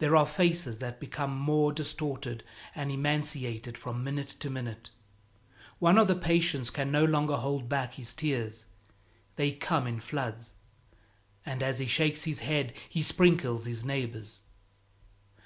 There are faces that become more distorted and emaciated from minute to minute. One of the patients can no longer hold back his tears; they come in floods, and as he shakes his head he sprinkles his neighbors.